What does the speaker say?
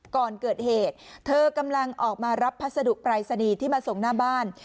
ก่อนเกิดเหตุเธอกำลังออกมารับพัสดุปรายศนีย์ที่มาส่งหน้าบ้าน